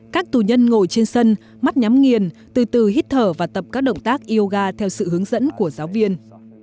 các tù nhân ngồi trên sân mắt nhắm nghiền từ từ hít thở và tập các động tác yoga theo sự hướng dẫn của giáo viên